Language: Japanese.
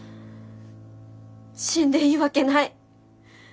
死んでいいわけない。